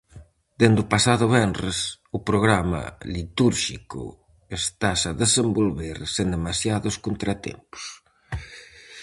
Dende o pasado venres, o programa litúrxico estase a desenvolver sen demasiados contratempos.